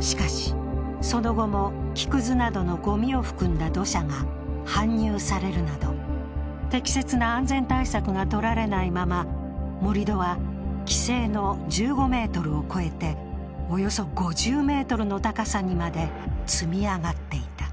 しかし、その後も木くずなどのごみを含んだ土砂が搬入されるなど、適切な安全対策がとられないまま盛り土は規制の１５ｍを超えておよそ５０ｍの高さにまで積み上がっていた。